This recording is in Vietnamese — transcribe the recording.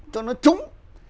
cho nó trúng